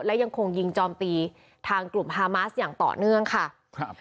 และยังคงยิงจอมตีทางกลุ่มฮามาสอย่างต่อเนื่องค่ะครับ